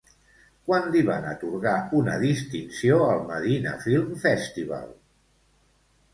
Quan li van atorgar una distinció al Medina Film Festival?